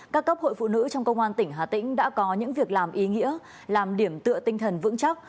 các cấp hội phụ nữ trong công an tỉnh hà tĩnh đã có những việc làm ý nghĩa làm điểm tựa tinh thần vững chắc